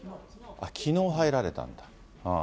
きのう入られたんだ。